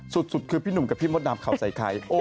สุดคือพี่หนุ่มกับพี่มดดามเขาใส่ใคร